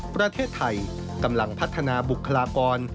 ประเทศไทยกำลังพัฒนาบุคลากร